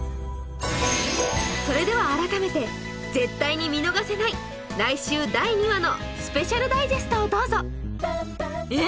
それでは改めて絶対に見逃せない来週第２話のスペシャルダイジェストをどうぞ！えっ！？